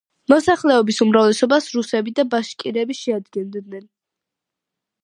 მოსახლეობის უმრავლესობას რუსები და ბაშკირები შეადგენენ.